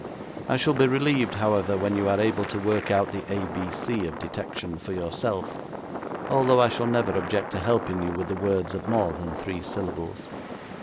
I shall be relieved, however, when you are able to work out the ABC of detection for yourself, although I shall never object to helping you with the words of more than three syllables.